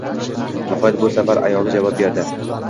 Nihoyat bu safar ayoli javob berdi.